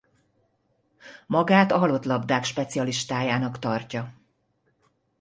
Magát a halott labdák specialistájának tartja.